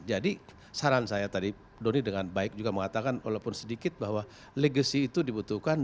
saran saya tadi doni dengan baik juga mengatakan walaupun sedikit bahwa legacy itu dibutuhkan